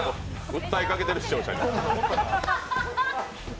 訴えかけてる視聴者に。